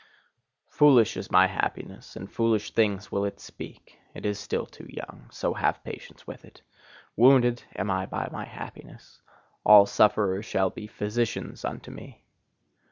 Foolish is my happiness, and foolish things will it speak: it is still too young so have patience with it! Wounded am I by my happiness: all sufferers shall be physicians unto me!